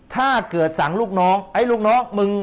ถ้าเกิดสั่งลูกน้องไอ้ลูกน้องมึง